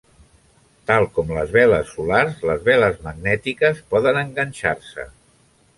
Tal com les veles solars, les veles magnètiques poden "enganxar-se".